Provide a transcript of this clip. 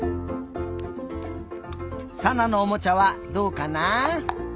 さなのおもちゃはどうかなあ？